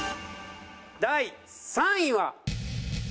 第３位は。